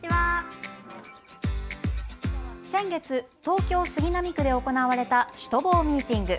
先月、東京杉並区で行われたシュトボーＭｅｅｔｉｎｇ。